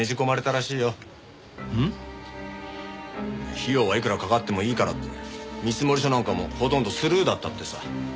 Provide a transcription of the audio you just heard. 費用はいくらかかってもいいからって見積書なんかもほとんどスルーだったってさ。